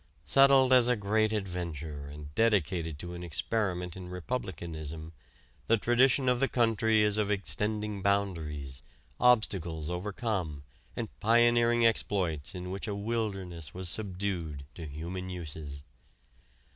Settled as a great adventure and dedicated to an experiment in republicanism, the tradition of the country is of extending boundaries, obstacles overcome, and pioneering exploits in which a wilderness was subdued to human uses.